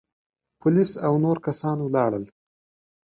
پوليس او نور کسان ولاړل.